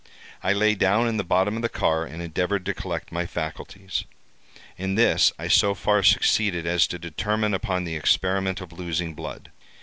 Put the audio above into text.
I lay down in the bottom of the car, and endeavored to collect my faculties. In this I so far succeeded as to determine upon the experiment of losing blood.